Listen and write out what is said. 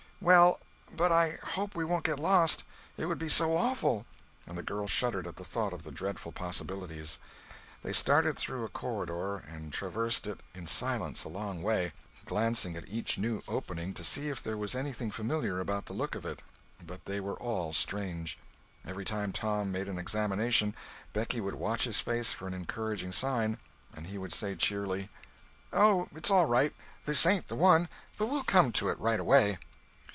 "Well. But I hope we won't get lost. It would be so awful!" and the girl shuddered at the thought of the dreadful possibilities. They started through a corridor, and traversed it in silence a long way, glancing at each new opening, to see if there was anything familiar about the look of it; but they were all strange. Every time Tom made an examination, Becky would watch his face for an encouraging sign, and he would say cheerily: "Oh, it's all right. This ain't the one, but we'll come to it right away!"